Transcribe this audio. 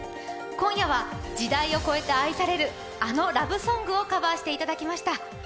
今夜は時代を超えて愛される、あのラブソングをカバーしてもらいました。